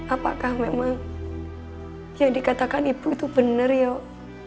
apakah memang yang dikatakan ibu itu benar yuk